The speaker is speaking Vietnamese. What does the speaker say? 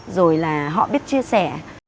rồi là họ biết chia sẻ